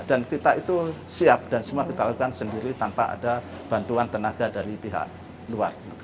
dan kita itu siap dan semua kita lakukan sendiri tanpa ada bantuan tenaga dari pihak luar negeri